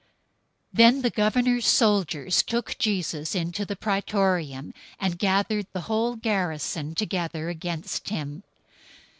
027:027 Then the governor's soldiers took Jesus into the Praetorium, and gathered the whole garrison together against him.